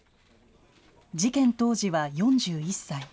事件当時は４１歳。